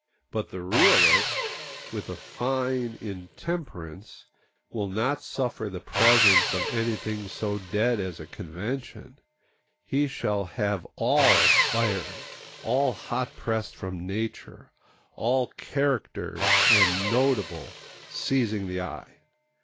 But the realist, with a fine intemperance, will not suffer the presence of anything so dead as a convention; he shall have all fiery, all hot pressed from nature, all charactered and notable, seizing the eye.